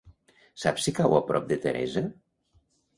Saps si cau a prop de Teresa?